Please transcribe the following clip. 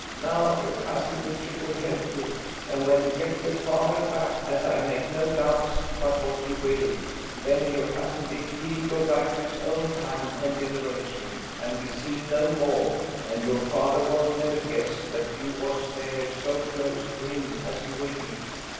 "Now your Cousin Richard will help you, and when you get your father back, as I make no doubts but what you will, then your Cousin Dick he'll go back to his own time and generation, and be seen no more, and your father won't never guess that you was there so close to him as you will be."